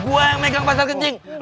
gua yang megang pasar kecing